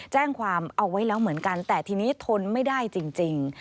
แจ้งความเอาไว้แล้วเหมือนกันแต่ทีนี้ทนไม่ได้จริง